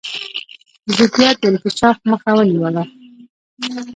ضدیت د انکشاف مخه ونیوله.